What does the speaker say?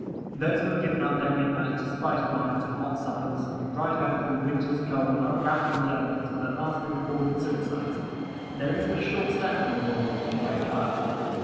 Those who have given up their midnights to spiced wines, and hot suppers, and ride home through winter's cold, unwrapped from the elements, will at last be recorded suicides. There is but a short step from the ball room to the grave yard.